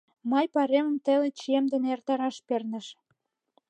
Май пайремым теле чием дене эртараш перныш.